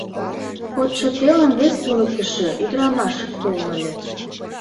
Кодшо телым вес туныктышо, ӱдырамаш, толын ыле.